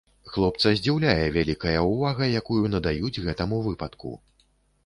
Хлопца здзіўляе вялікая ўвага, якую надаюць гэтаму выпадку.